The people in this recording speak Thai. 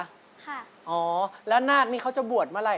เป็นเรื่องราวของแม่นาคกับพี่ม่าครับ